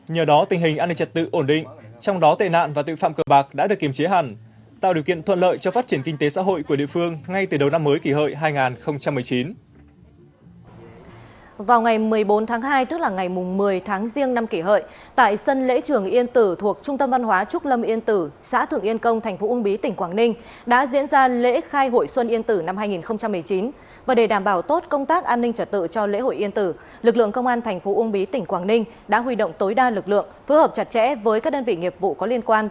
nhờ đó tình hình an ninh trật tự ổn định trong đó tệ nạn và tội phạm cơ bạc đã được kiềm chế hẳn